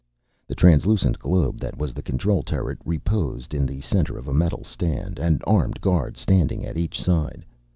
The translucent globe that was the control turret reposed in the center of a metal stand, an armed guard standing at each side.